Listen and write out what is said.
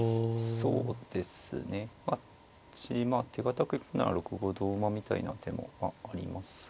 そうですねまあ手堅く行くなら６五同馬みたいな手もまあありますが。